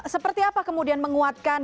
seperti apa kemudian menguatkan